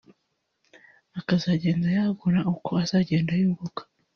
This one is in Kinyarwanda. akazagenda yagura uko azagenda yunguka